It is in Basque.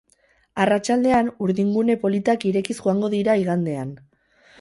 Arratsaldean urdingune politak irekiz joango dira, igandean.